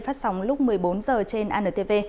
phát sóng lúc một mươi bốn h trên antv